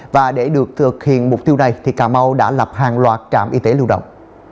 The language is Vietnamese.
và để được thực hiện mục tiêu này thì cà mau đã lập hàng loạt trạm y tế lưu động